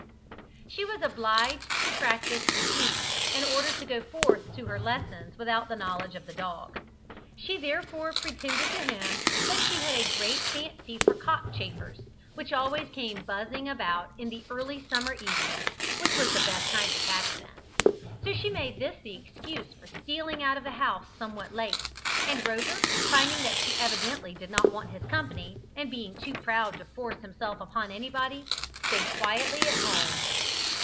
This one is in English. She was obliged to practise deceit in order to go forth to her lessons without the knowledge of the dog. She therefore pretended to him that she had a great fancy for cockchafers, which always came buzzing about in the early summer evenings, which was the best time to catch them. So she made this the excuse for stealing out of the house somewhat late, and Rover, finding that she evidently did not want his company, and being too proud to force himself upon anybody, stayed quietly at home.